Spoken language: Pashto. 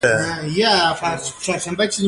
دوی ته مې کتل، پر خپله لار روانې وې او ځانونه یې.